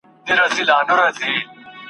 جهاني څه به پر پردیو تهمتونه وایو ,